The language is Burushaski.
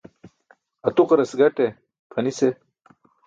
Atuqaras gaṭe pʰanis eh.